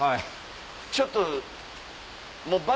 ちょっと。